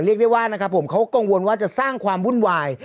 เรียกได้ว่านะครับผมเขากังวลว่าจะสร้างความวุ่นวาย